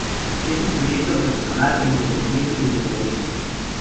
Es un proyecto personal e independiente desde su origen.